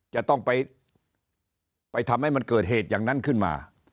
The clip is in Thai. จะต้องไปทำให้มันเกิดเหตุอย่างนั้นขึ้นมา